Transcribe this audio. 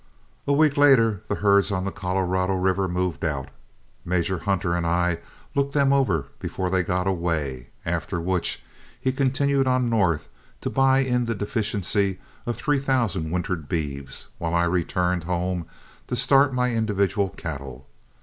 A week later the herds on the Colorado River moved out. Major Hunter and I looked them over before they got away, after which he continued on north to buy in the deficiency of three thousand wintered beeves, while I returned home to start my individual cattle.